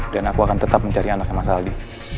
dan aku akan tetap mencari anaknya mas aldi